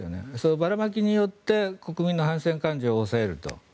ばらまきによって国民の反戦感情を抑えると。